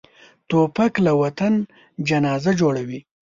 توپک له وطن جنازه جوړوي.